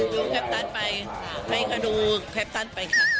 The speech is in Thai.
ดูแพปตันไปให้เขาดูแพปตันไปครับ